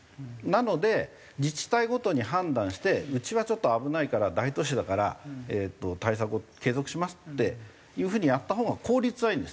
なので自治体ごとに判断してうちはちょっと危ないから大都市だから対策を継続しますっていうふうにやった方が効率はいいんです。